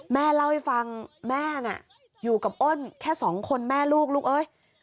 แม่เล่าให้ฟังแม่น่ะอยู่กับอ้นแค่สองคนแม่ลูกลูกเอ้ย